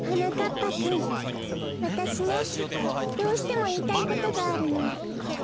ぱくんわたしねどうしてもいいたいことがあるの。